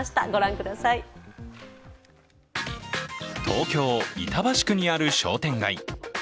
東京・板橋区にある商店街。